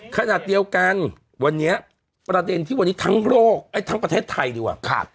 ขณะเดียวกันวันนี้ประเด็นที่วันนี้ทั้งโรคไอ้ทั้งประเทศไทยดีกว่า